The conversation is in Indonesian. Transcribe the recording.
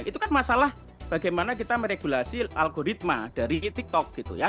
itu kan masalah bagaimana kita meregulasi algoritma dari tiktok gitu ya